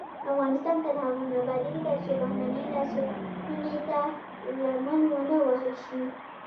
افغانستان تر هغو نه ابادیږي، ترڅو بهرنۍ لاسوهنې ته لمن ونه وهل شي.